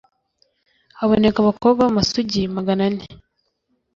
haboneka abakobwa b'amasugi magana ane